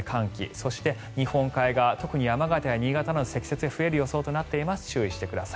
そして日本海側、特に山形、新潟などで積雪が増える予想となっています注意してください。